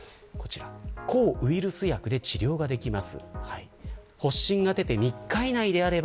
抗ウイルス薬で治療ができます。